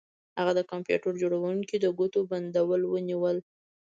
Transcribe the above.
هغه د کمپیوټر جوړونکي د ګوتو بندونه ونیول